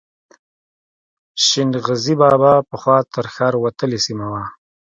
شین غزي بابا پخوا تر ښار وتلې سیمه وه.